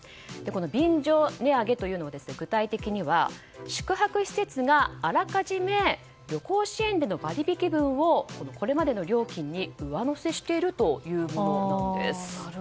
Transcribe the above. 便乗値上げというのは具体的には宿泊施設があらかじめ旅行支援での割引分をこれまでの料金に上乗せしているということなんです。